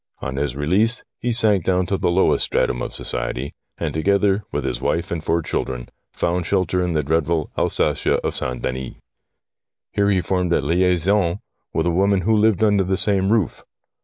On his release, he sank down to the lowest stratum of society, and, together with his wife and four children, found shelter in the dreadful Alsatia of St. Denis. Here he formed a liaison with a woman who lived under the same roof.